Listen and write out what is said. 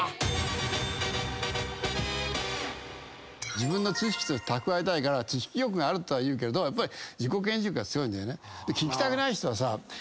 自分の知識として蓄えたいから知識欲があるとはいうけれどやっぱり自己顕示欲が強いんだよね。